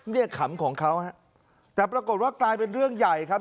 ขำของเขาฮะแต่ปรากฏว่ากลายเป็นเรื่องใหญ่ครับ